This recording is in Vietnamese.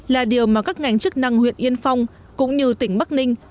là điều mà các ngành chức năng huyện yên phong cũng như tỉnh bắc ninh